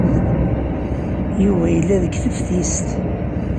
Yuba yella deg teftist.